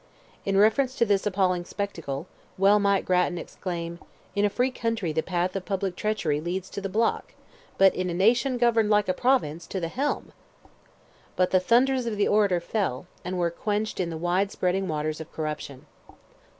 In reference to this appalling spectacle, well might Grattan exclaim—"In a free country the path of public treachery leads to the block; but in a nation governed like a province, to the helm!" But the thunders of the orator fell, and were quenched in the wide spreading waters of corruption.